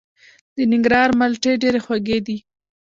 د ننګرهار مالټې ډیرې خوږې دي.